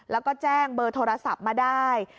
แล้วก็แจ้งเบอร์โทรศัพท์มาได้